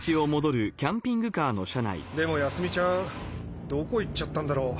でも泰美ちゃんどこ行っちゃったんだろ。